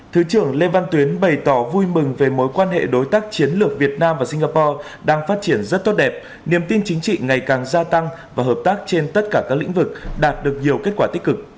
thứ trưởng lê văn tuyến bày tỏ vui mừng về mối quan hệ đối tác chiến lược việt nam và singapore đang phát triển rất tốt đẹp niềm tin chính trị ngày càng gia tăng và hợp tác trên tất cả các lĩnh vực đạt được nhiều kết quả tích cực